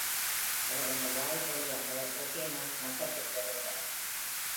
அவர் இந்த வாயில் வழியாக, ஓகேனோஸ் மட்டத்திற்கு வருகிறார்.